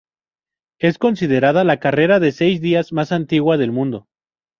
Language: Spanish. Es considerada la carrera de seis días más antigua del mundo.